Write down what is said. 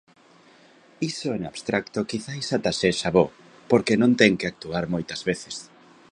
Iso en abstracto quizais ata sexa bo, porque non ten que actuar moitas veces.